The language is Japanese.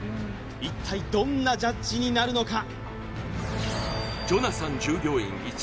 一体どんなジャッジになるのか？